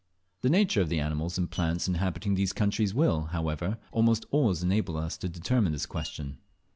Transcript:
The nature of the animals and plants inhabiting these countries will, however, almost always enable us to determine this question.